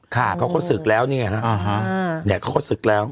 เขาสึกแล้วเนี่ยเขาสึกแล้ว